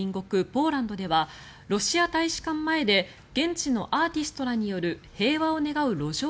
ポーランドではロシア大使館前で現地のアーティストらによる平和を願う路上